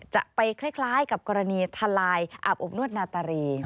จะไปคล้ายกับกรณีทลายอาบอบนวดนาตารี